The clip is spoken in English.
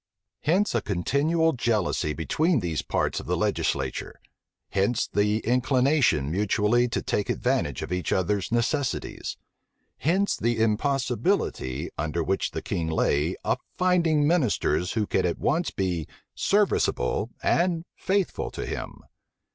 Hence a continual jealousy between these parts of the legislature: hence the inclination mutually to take advantage of each other's necessities: hence the impossibility, under which the king lay, of finding ministers who could at once be serviceable and faithful to him.